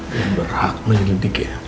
dia berhak menjadi kek